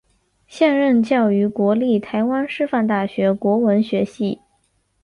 现任教于国立台湾师范大学国文学系。